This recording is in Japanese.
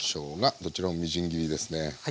どちらもみじん切りですね。